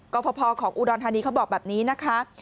ก็พอของอุดรธานีเขาบอกแบบนี้นะคะ